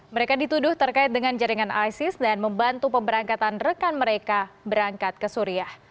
mereka dituduh terkait dengan jaringan isis dan membantu pemberangkatan rekan mereka berangkat ke suriah